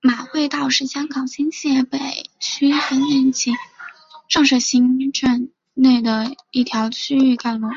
马会道是香港新界北区粉岭及上水新市镇内的一条区域干路。